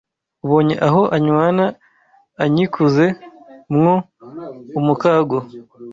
Ubonye aho anywana anyikuze mwo umukago